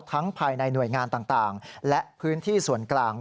ภายในหน่วยงานต่างและพื้นที่ส่วนกลาง